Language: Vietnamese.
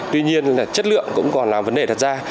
tuy nhiên là chất lượng cũng còn là vấn đề đặt ra